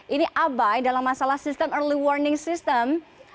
ini abai dalam masalah sistem early warning system